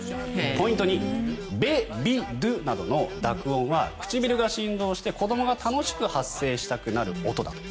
ポイント２ベ、ビ、ドゥなどの濁音は唇が振動して子どもが楽しく発声したくなる音だと。